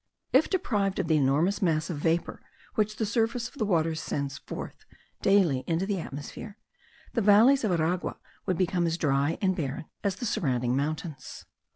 If deprived of the enormous mass of vapour which the surface of the waters sends forth daily into the atmosphere, the valleys of Aragua would become as dry and barren as the surrounding mountains.